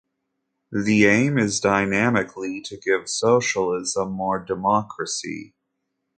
The aim is dynamically to give socialism more democracy.